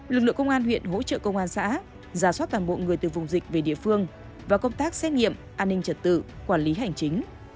lực lượng công an huyện hỗ trợ công an xã giả soát toàn bộ người từ vùng dịch về địa phương và công tác xét nghiệm an ninh trật tự quản lý hành chính